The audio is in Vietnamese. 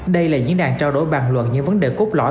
đây là diễn đàn trao đổi bàn luận những vấn đề cốt lõi